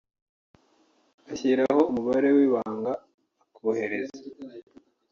ashyiraho umubare w’ibanga akohereza